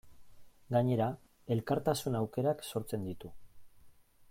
Gainera, elkartasun aukerak sortzen ditu.